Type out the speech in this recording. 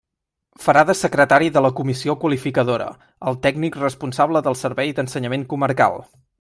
Farà de secretari de la Comissió Qualificadora el tècnic responsable del servei d'ensenyament comarcal.